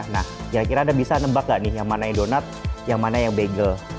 nah kira kira anda bisa nebak gak nih yang mana yang donat yang mana yang bagel